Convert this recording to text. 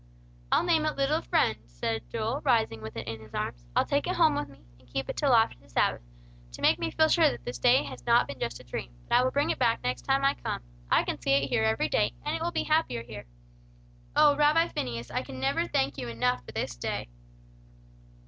"I'll name it 'Little Friend,'" said Joel, rising with it in his arms. "I'll take it home with me, and keep it until after the Sabbath, to make me feel sure that this day has not been just a dream; but I will bring it back next time I come. I can see it here every day, and it will be happier here. Oh, Rabbi Phineas, I can never thank you enough for this day!"